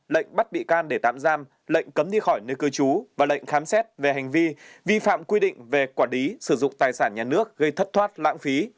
lệnh bắt bị can để tạm giam lệnh cấm đi khỏi nơi cư trú và lệnh khám xét về hành vi vi phạm quy định về quản lý sử dụng tài sản nhà nước gây thất thoát lãng phí